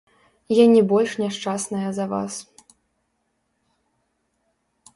Я не больш няшчасная за вас.